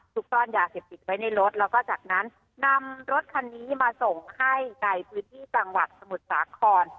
ก้อนยาเสพติดไว้ในรถแล้วก็จากนั้นนำรถคันนี้มาส่งให้ในพื้นที่จังหวัดสมุทรสาคร